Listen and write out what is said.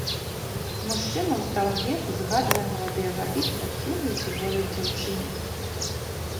Мужчына ў сталым веку згадвае маладыя гады перад юнай і прыгожай дзяўчынай.